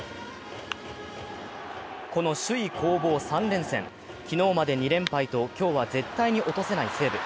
この首位攻防３連戦、昨日まで２連敗と今日は絶対に落とせない西武。